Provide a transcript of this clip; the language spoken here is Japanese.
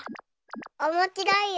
おもしろいよ。